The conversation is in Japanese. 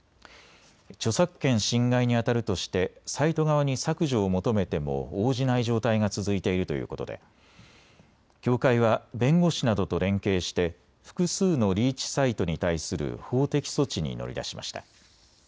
著作権侵害にあたるとしてサイト側に削除を求めても応じない状態が続いているということで協会は弁護士などと連携して複数のリーチサイトに対する法的措置に乗り出しました。